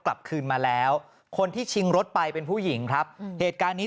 กลับคืนมาแล้วคนที่ชิงรถไปเป็นผู้หญิงครับเหตุการณ์นี้